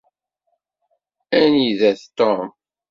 Anida-t Tom?